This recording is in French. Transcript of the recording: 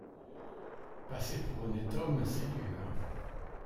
Passer pour honnête homme, c’est dur.